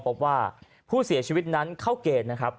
พบว่าผู้เสียชีวิตนั้นเข้าเกณฑ์นะครับ